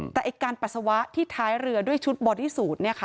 แต่การปัสสาวะที่ท้ายเรือด้วยชุดบอดี้สูตร